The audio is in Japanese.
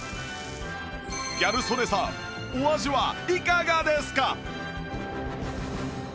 ギャル曽根さんお味はいかがですか？